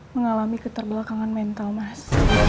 mengalami keterbakangan mental mas